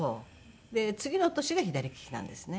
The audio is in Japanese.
で次の年が『左きき』なんですね。